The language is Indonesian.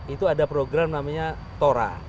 itu ada program namanya tora